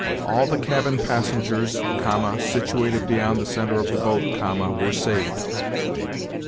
'All the cabin passengers(,) situated beyond the center of the boat(,) were saved.'